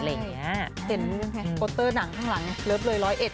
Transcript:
เห็นโปสเตอร์หนังข้างหลังเลิฟเลยร้อยเอ็ด